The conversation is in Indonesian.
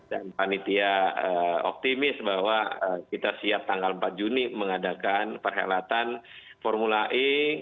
dan panitia optimis bahwa kita siap tanggal empat juni mengadakan perhelatan formula e